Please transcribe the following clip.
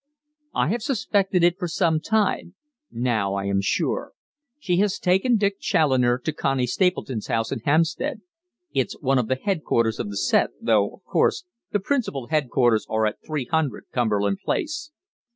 "I have suspected it for some time. Now I am sure. She has taken Dick Challoner to Connie Stapleton's house in Hampstead. It's one of the headquarters of the set, though, of course, the principal headquarters are at 300 Cumberland Place.